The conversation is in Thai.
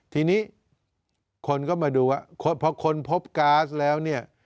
ทีนี้คนก็มาดูว่าพอคนพบก๊าซแล้วเนี่ย